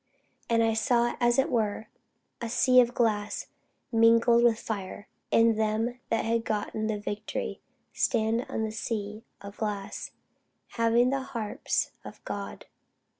And I saw as it were a sea of glass mingled with fire: and them that had gotten the victory stand on the sea of glass, having the harps of God.